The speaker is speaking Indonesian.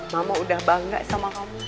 mama udah bangga sama kamu